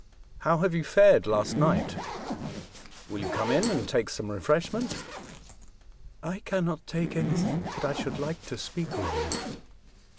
'' How have you fared last night ? Will you come in and take some refreshment ?"" I cannot take anything ; but I should like to speak with you."